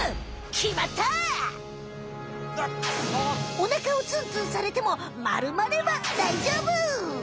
おなかをツンツンされてもまるまればだいじょうぶ！